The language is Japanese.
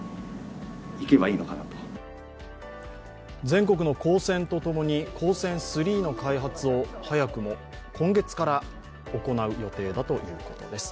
全国の高専とともに「ＫＯＳＥＮ−３」の開発を早くも今月から行う予定だということです。